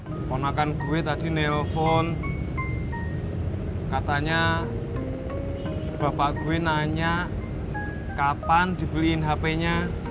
keponakan gue tadi nelpon katanya bapak gue nanya kapan dibeliin hp nya